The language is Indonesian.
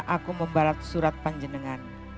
aku membalas surat panjenengan